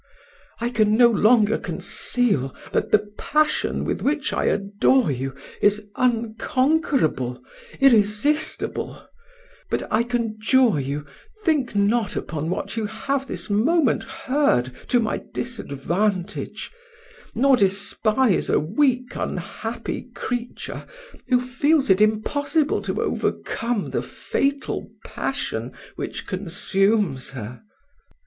I can no longer conceal, that the passion with which I adore you is unconquerable, irresistible: but, I conjure you, think not upon what you have this moment heard to my disadvantage; nor despise a weak unhappy creature, who feels it impossible to overcome the fatal passion which consumes her.